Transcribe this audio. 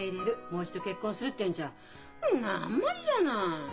もう一度結婚する」っていうんじゃんあんまりじゃない！